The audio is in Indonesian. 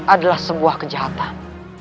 adalah sebuah kejahatan